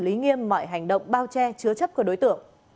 lý nghiêm mọi hành động bao che chứa chấp của đối tượng